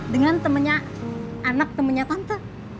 dengan temannya anak temennya tante